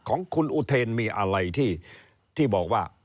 ของคุณอุเทนมีอะไรที่บอกว่า